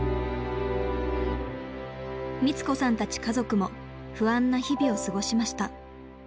ミツ子さんたち家族も不安な日々を過ごしました。